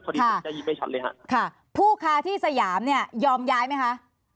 ค่ะค่ะผู้ค้าที่สยามเนี่ยยอมย้ายไหมคะ